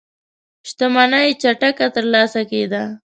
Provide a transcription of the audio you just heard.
شتمنۍ چټکه ترلاسه کېده.